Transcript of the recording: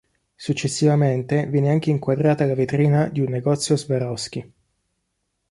Successivamente viene anche inquadrata la vetrina di un negozio Swarovski.